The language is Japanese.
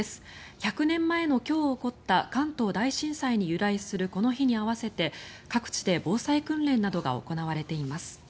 １００年前の今日起こった関東大震災に由来するこの日に合わせて各地で防災訓練などが行われています。